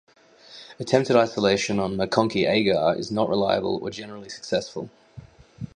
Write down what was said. Attempted isolation on MacConkey agar is not reliable or generally successful.